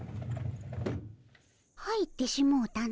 入ってしもうたの。